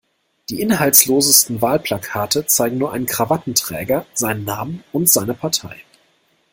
Die inhaltslosesten Wahlplakate zeigen nur einen Krawattenträger, seinen Namen und seine Partei.